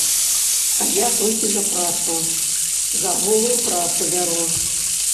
А я толькі за працу, за голую працу бяру.